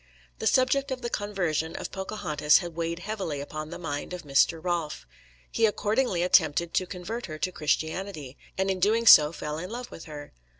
The subject of the conversion of Pocahontas had weighed heavily upon the mind of Mr. Rolfe. He accordingly attempted to convert her to Christianity, and in doing so fell in love with her.